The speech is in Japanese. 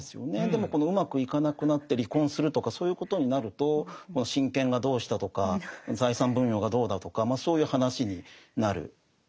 でもこのうまくいかなくなって離婚するとかそういうことになると親権がどうしたとか財産分与がどうだとかそういう話になる。